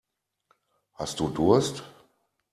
Hast du Durst?